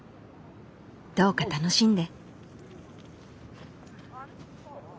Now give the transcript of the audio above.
どうか楽しんで！